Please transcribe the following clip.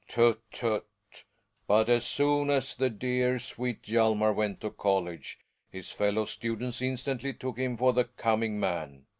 Relling. Tut, tut ! But as soon as the dear, sweet t)^ jy^ Hjalmar went to college, his fellow students instantly took him for the coming man.